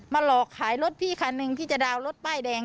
หลอกขายรถพี่คันหนึ่งที่จะดาวน์รถป้ายแดง